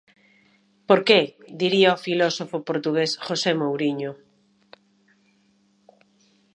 "Por que?", diría o filósofo portugués José Mouriño.